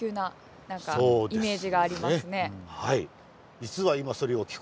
はい！